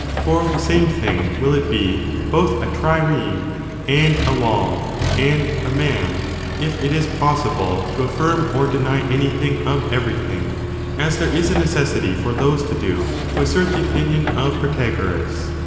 For the same theory woum thing will it be, both a trireme, and a wall, and a JJ^nS Pan^"" man, if it is possible to affirm or deny anything theism, of everything, as there is a necessity for those to do who assert the opinion of Protagoras.